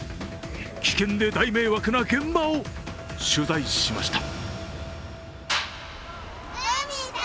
危険で大迷惑な現場を取材しました。